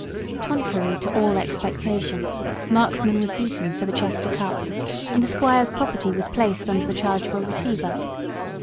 Contrary to all expectation, Marksman was beaten for the Chester Cup, and the squire's property was placed under the charge of a receiver.